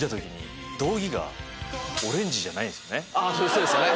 そうですよね